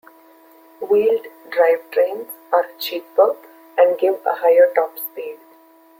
Wheeled drivetrains are cheaper and give a higher top speed.